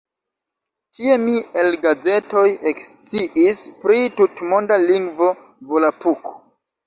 Tie mi el gazetoj eksciis pri tutmonda lingvo "Volapuk".